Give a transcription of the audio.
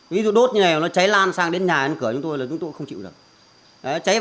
ví dụ đốt như này nó cháy lan sang đến nhà ăn cửa chúng tôi là chúng tôi không chịu được